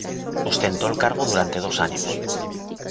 Ostentó el cargo durante dos años.